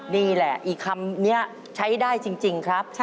นี่แหละอีกคำนี้ใช้ได้จริงครับ